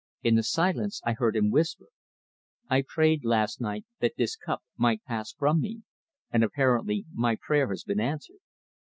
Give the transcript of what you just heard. In the silence I heard him whisper: "I prayed last night that this cup might pass from me; and apparently my prayer has been answered."